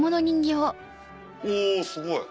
おすごい。